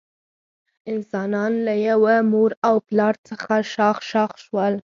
انسانان له یوه مور او پلار څخه شاخ شاخ شول.